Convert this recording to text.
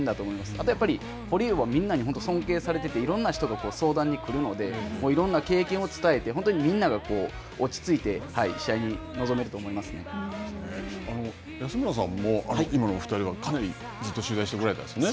あとやっぱり堀江は、みんなに尊敬されていて、いろんな人が相談に来るので、いろんな経験を伝えて、本当にみんなが落ち着いて試安村さんも、今のお２人は、かなりずっと取材してこられたんですよね。